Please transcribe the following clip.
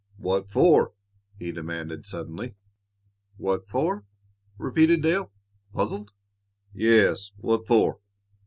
"What for?" he demanded suddenly. "What for?" repeated Dale, puzzled. "Yes; what for?